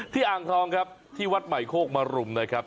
อ่างทองครับที่วัดใหม่โคกมรุมนะครับ